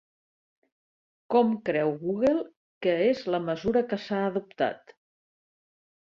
Com creu Google que és la mesura que s'ha adoptat?